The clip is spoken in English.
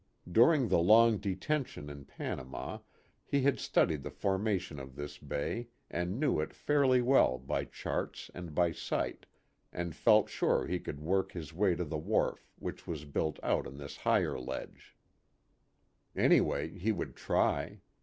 During the long detention in Panama he had studied the formation of this bay and knew it fairly well by charts and by sight, and felt sure he could work his way to the wharf which was built out on this higher ledge. A PICNIC NEAR THE EQUATOR. 69 Anyway he would try.